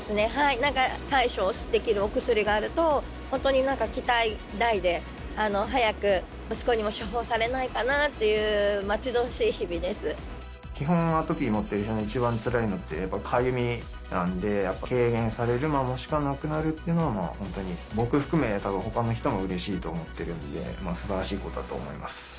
なんか対処できるお薬があると、本当になんか期待大で、早く息子にも処方されないかなという、基本、アトピー持ってる人が一番つらいのってやっぱかゆみなんで、やっぱり軽減される、もしくはなくなるというのは、本当に僕含め、たぶんほかの人もうれしいと思ってるんで、すばらしいことだと思います。